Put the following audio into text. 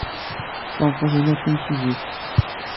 Tameṭṭut-inu d timsujjit.